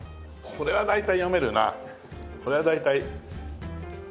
これは大体。